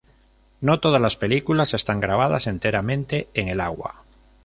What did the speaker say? No todas las películas están grabadas enteramente en el agua.